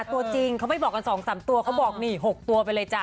ตัวจริงเขาไม่บอกกัน๒๓ตัวเขาบอกนี่๖ตัวไปเลยจ้